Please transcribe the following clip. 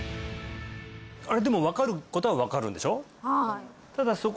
あれでも分かることは分かるんでしょ？